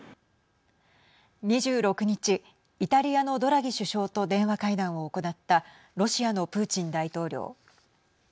２６日イタリアのドラギ首相と電話会談を行ったロシアのプーチン大統領。